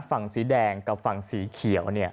สีแดงกับฝั่งสีเขียว